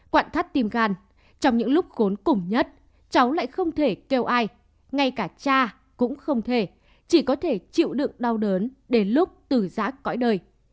quạt thắt tim gan trong những lúc khốn cùng nhất cháu lại không thể kêu ai ngay cả cha cũng không thể chỉ có thể chịu đựng đau đớn đến lúc tử rác cõi đời